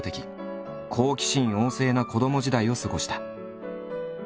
好奇心旺盛な子ども時代を過ごした。